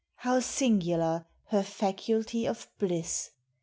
How singular, her faculty of bliss